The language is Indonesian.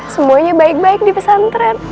semuanya baik baik di pesantren